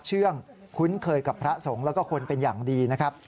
เชื่องคุ้นเคยกับพระสงฆ์แล้วก็คนเป็นอย่างดีนะครับ